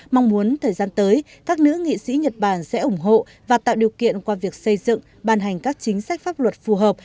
mong muốn thời gian tới các nữ nghị sĩ nhật bản sẽ ủng hộ và tạo điều kiện qua việc xây dựng ban hành các chính sách pháp luật phù hợp